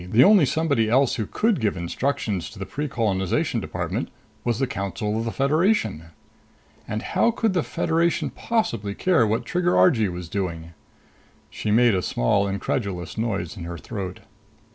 The only somebody else who could give instructions to the Precolonization Department was the Council of the Federation! And how could the Federation possibly care what Trigger Argee was doing? She made a small, incredulous noise in her throat.